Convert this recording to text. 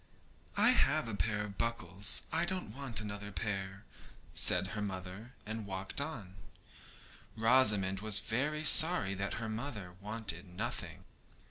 'I have a pair of buckles; I don't want another pair,' said her mother, and walked on. Rosamond was very sorry that her mother wanted nothing.